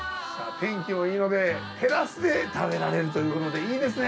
天気もいいのでテラスで食べられるということでいいですね。